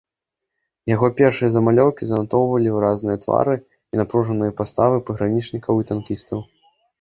Яго першыя замалёўкі занатоўвалі выразныя твары і напружаныя паставы пагранічнікаў і танкістаў.